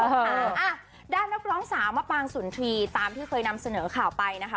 ค่ะอ่ะด้านนักร้องสาวมะปางสุนทรีย์ตามที่เคยนำเสนอข่าวไปนะคะ